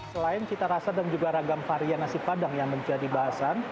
selain cita rasa dan juga ragam varian nasi padang yang menjadi bahasan